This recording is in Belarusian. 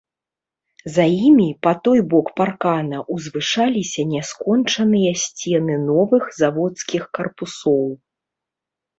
За імі, па той бок паркана, узвышаліся няскончаныя сцены новых заводскіх карпусоў.